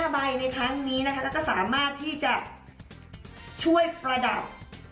๕ใบในครั้งนี้นะคะก็สามารถที่จะช่วยประดับ